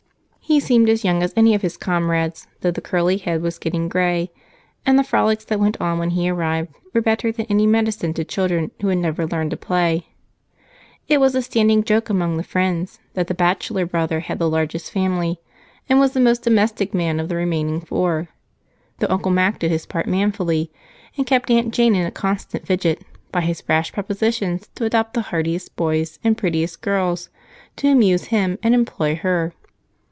He seemed as young as any of his comrades, though the curly head was getting gray, and the frolics that went on when he arrived were better than any medicine to children who had never learned to play. It was a standing joke among the friends that the bachelor brother had the largest family and was the most domestic man of the remaining four, though Uncle Mac did his part manfully and kept Aunt Jane in a constant fidget by his rash propositions to adopt the heartiest boys and prettiest girls to amuse him and employ her.